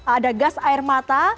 ada gas air mata